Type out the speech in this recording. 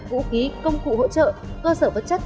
vũ khí công cụ hỗ trợ cơ sở vật chất